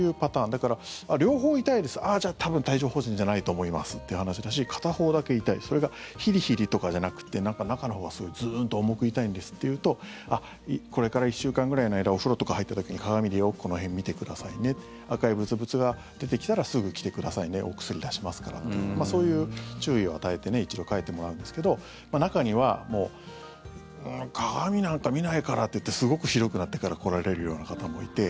だから、両方痛いですああ、じゃあ多分帯状疱疹じゃないと思いますっていう話だし片方だけ痛いそれがヒリヒリとかじゃなくて中のほうがズーンと重く痛いんですっていうとこれから１週間ぐらいの間お風呂とか入った時に鏡でよくこの辺見てくださいね赤いブツブツが出てきたらすぐ来てくださいねお薬、出しますからっていうそういう注意を与えて一度、帰ってもらうんですけど中には鏡なんか見ないからっていってすごくひどくなってから来られるような方もいて。